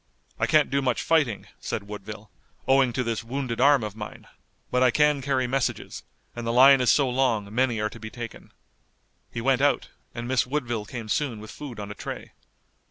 "I can't do much fighting," said Woodville, "owing to this wounded arm of mine, but I can carry messages, and the line is so long many are to be taken." He went out and Miss Woodville came soon with food on a tray.